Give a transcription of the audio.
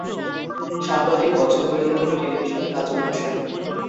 সাম্প্রতিক বছরগুলোতে তিনি টেলিভিশনে কাজ করেছেন।